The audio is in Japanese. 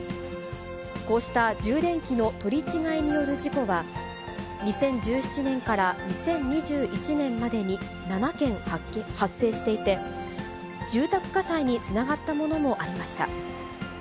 こうした充電器の取り違いによる事故は、２０１７年から２０２１年までに７件発生していて、住宅火災につながったものもありました。